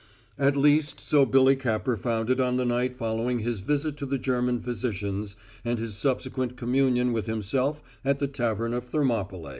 At least, so Billy Capper found it on the night following his visit to the German physician's and his subsequent communion with himself at the Tavern of Thermopylæ.